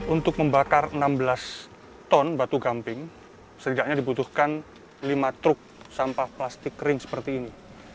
untuk membakar enam belas ton batu gamping setidaknya dibutuhkan lima truk sampah plastik kering seperti ini